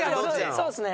そうですね。